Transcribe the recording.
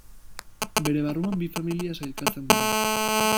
Bere barruan bi familia sailkatzen dira.